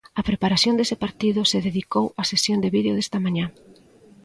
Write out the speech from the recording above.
Á preparación dese partido se dedicou a sesión de vídeo desta mañá.